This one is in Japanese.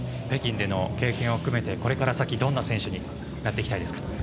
北京での経験を含めてこれから先どんな選手になっていきたいですか？